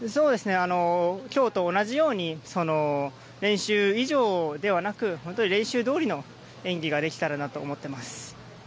今日と同じように練習以上ではなく練習どおりの演技ができたらなと思っています。